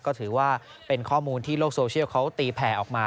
ก็ถือว่าเป็นข้อมูลที่โลกโซเชียลเขาตีแผ่ออกมา